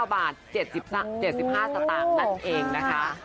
๙บาท๗๕สตางค์นั่นเองนะคะ